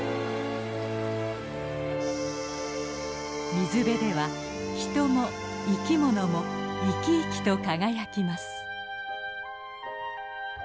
水辺では人も生きものも生き生きと輝きます。